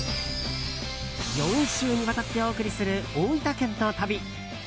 ４週にわたってお送りする大分県の旅。